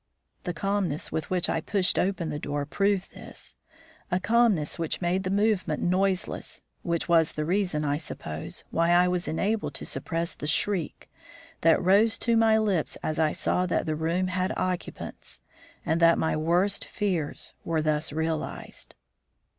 The calmness with which I pushed open the door proved this a calmness which made the movement noiseless, which was the reason, I suppose, why I was enabled to suppress the shriek that rose to my lips as I saw that the room had occupants, and that my worst fears were thus realized.